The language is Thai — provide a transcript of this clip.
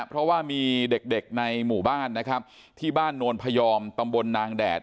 เพราะว่ามีเด็กเด็กในหมู่บ้านนะครับที่บ้านโนนพยอมตำบลนางแดด